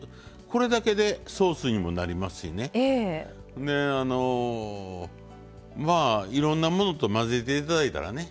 これだけでソースにもなりますしねまあいろんなものと混ぜて頂いたらね。